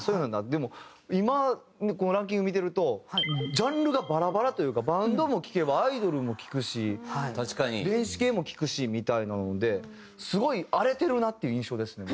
でも今ランキング見てるとジャンルがバラバラというかバンドも聴けばアイドルも聴くし電子系も聴くしみたいなのですごい荒れてるなっていう印象ですね。